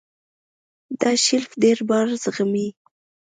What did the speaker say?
دا شیلف ډېر بار زغمي.